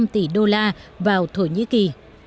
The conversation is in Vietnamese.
một mươi năm tỷ đô la vào thổ nhĩ kỳ